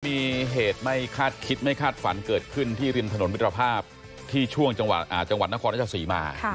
มีเหตุไม่คาดคิดไม่คาดฝันเกิดขึ้นที่ริมถนนมิตรภาพที่ช่วงจังหวัดนครราชศรีมา